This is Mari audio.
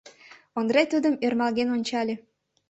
— Ондре тудым ӧрмалген ончале.